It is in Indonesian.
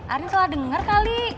arin salah dengar kali